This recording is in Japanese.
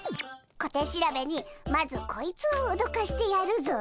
小手調べにまずこいつをおどかしてやるぞ！